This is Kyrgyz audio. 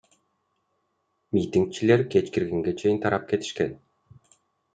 Митингчилер кеч киргенге чейин тарап кетишкен.